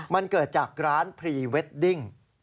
มันเกิดจากร้านพรีเวดดิ้ง